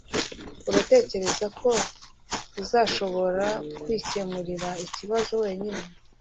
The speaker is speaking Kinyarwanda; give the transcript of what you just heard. Uratekereza ko uzashobora kwikemurira ikibazo wenyine